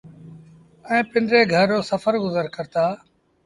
ائيٚݩ پنڊري گھر رو گزر سڦر ڪرتآ